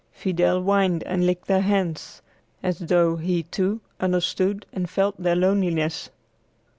Fidel whined and licked their hands, as though he, too, understood and felt their loneliness.